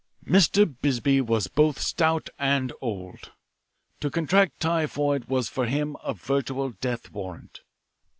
Mr. Bisbee was both stout and old. To contract typhoid was for him a virtual death warrant.